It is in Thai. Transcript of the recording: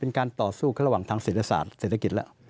การต่อสู้ระหว่างทางเศรษฐศาสตร์เศรษฐกิจแล้ว